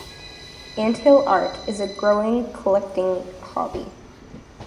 Ant hill art is a growing collecting hobby.